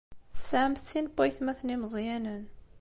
Tesɛamt sin n waytmaten imeẓyanen.